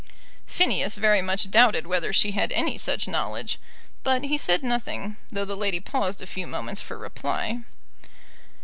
Phineas very much doubted whether she had any such knowledge; but he said nothing, though the lady paused a few moments for reply.